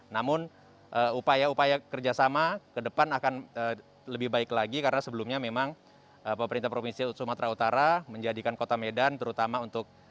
namun upaya upaya kerjasama ke depan akan lebih baik lagi karena sebelumnya memang pemerintah provinsi sumatera utara menjadikan kota medan terutama untuk